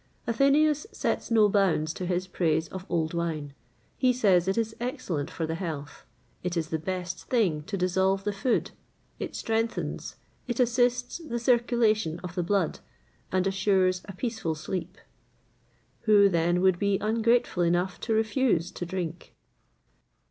[XXVIII 108] Athenæus sets no bounds to his praise of old wine. He says it is excellent for the health; it is the best thing to dissolve the food; it strengthens; it assists the circulation of the blood, and assures a peaceful sleep.[XXVIII 109] Who, then, would be ungrateful enough to refuse to drink?